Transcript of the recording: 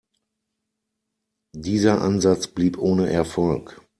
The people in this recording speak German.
Dieser Ansatz blieb ohne Erfolg.